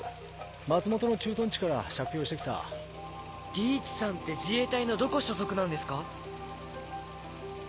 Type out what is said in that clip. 松本の駐屯地から借用して来た。理一さんって自衛隊のどこ所属なんですか？